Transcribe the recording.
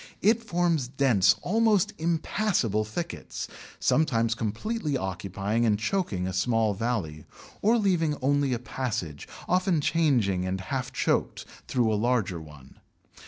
It forms dense, almost impassable thickets, sometimes completely occupying and choking a small valley, or leaving only a passage, often changing and half choked, through a larger one.